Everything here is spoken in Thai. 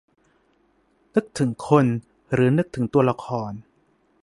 นึกถึงคน หรือนึกถึงตัวละคร ?